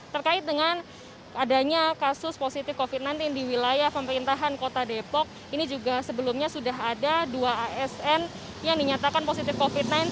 terkait dengan adanya kasus positif covid sembilan belas di wilayah pemerintahan kota depok ini juga sebelumnya sudah ada dua asn yang dinyatakan positif covid sembilan belas